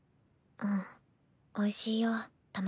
うんおいしいよ卵粥。